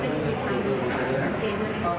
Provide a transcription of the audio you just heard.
ยังไม่มีฝ่ายกล้อง